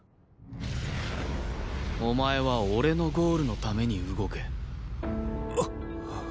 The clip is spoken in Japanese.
お前は俺のゴールのために動け。